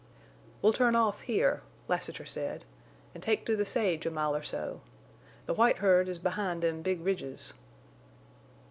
"We'll turn off here," Lassiter said, "en' take to the sage a mile or so. The white herd is behind them big ridges."